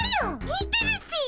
見てるっピ。